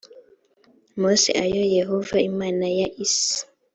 mose ayo yehova imana ya isi